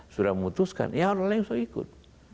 sudah memutuskan ya orang lain sudah ikut